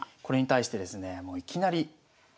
これに対してですねもういきなり。